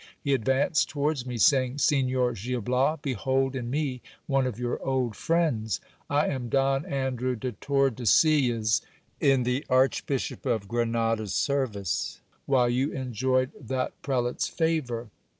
He advanced towards me, saying — Signor Gil Bias, behold in me one of your old friends. I am Don Andrew de Tordesillas, in the Archbishop of Grenada's service while you enjoyed that prelate's favour.